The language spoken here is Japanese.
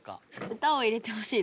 歌を入れてほしいです。